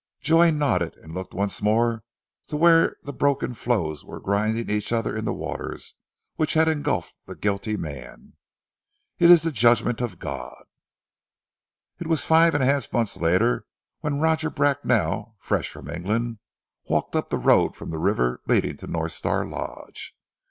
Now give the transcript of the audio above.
Joy nodded, and looked once more to where the broken floes were grinding each other in the waters which had engulfed the guilty man. "It is the judgment of God." It was five and a half months later when Roger Bracknell, fresh from England, walked up the road from the river leading to North Star Lodge.